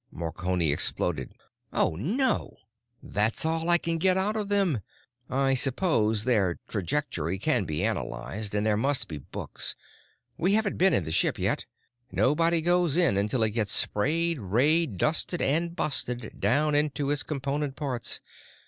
Marconi exploded, "Oh, no!" "That's all I can get out of them. I suppose their trajectory can be analyzed, and there must be books. We haven't been in the ship yet. Nobody goes in until it gets sprayed, rayed, dusted, and busted down into its component parts.